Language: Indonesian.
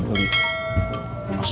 stokful allah nazim